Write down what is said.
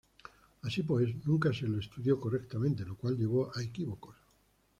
Así pues, nunca se lo estudió correctamente, lo cual llevó a equívocos.